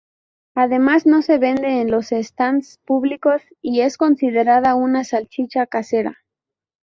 Además no se vende en los stands públicos y es considerada una salchicha casera.